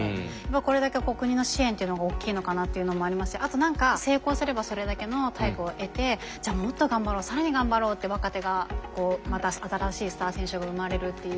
これだけ国の支援というのが大きいのかなっていうのもありますしあと何か成功すればそれだけの対価を得てじゃあもっと頑張ろう更に頑張ろうって若手がこうまた新しいスター選手が生まれるっていう。